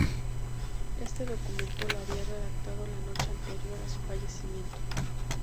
Este documento lo había redactado la noche anterior a su fallecimiento.